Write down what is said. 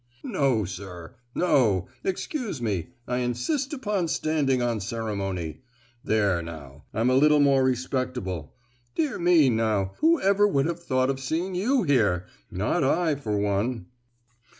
"No, sir, no! excuse me—I insist upon standing on ceremony. There, now! I'm a little more respectable! Dear me, now, who ever would have thought of seeing you here!—not I, for one!"